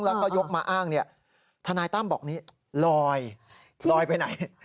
แล้วก็ยกมาอ้างเนี่ยทนายตั้มบอกนี้ลอยลอยไปไหน